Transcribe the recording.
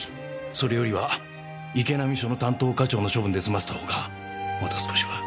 それよりは池波署の担当課長の処分で済ませたほうがまだ少しは。